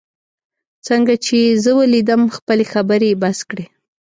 څنګه چي یې زه ولیدم، خپلې خبرې یې بس کړې.